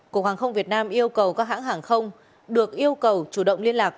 cục hàng không việt nam yêu cầu các hãng hàng không được yêu cầu chủ động liên lạc